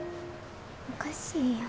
おかしいよ。